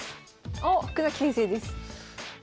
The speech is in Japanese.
おっ福崎先生です。